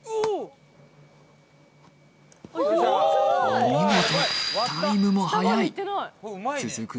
お見事タイムもはやい続く